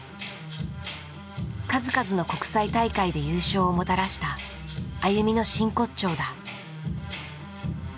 数々の国際大会で優勝をもたらしたＡＹＵＭＩの真骨頂だ。